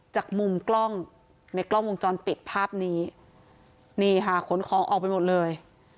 จากมุมกล้องในกล้องวงจรปิดภาพนี้นี่ค่ะขนของออกไปหมดเลย